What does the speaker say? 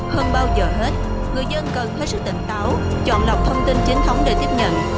hơn bao giờ hết người dân cần hết sức tỉnh táo chọn lọc thông tin chính thống để tiếp nhận